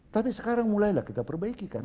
tapi sekarang mulailah kita perbaikikan